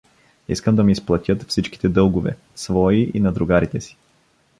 Искам да ми изплатят всичките дългове, свои и на другарите си.